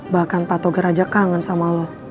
bahkan pato geraja kangen sama lo